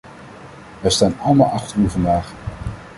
Wij staan allemaal achter u vandaag.